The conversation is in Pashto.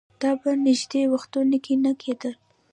دا په نژدې وختونو کې نه کېدل